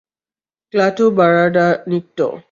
Klaatu বারাডা নিক্টো।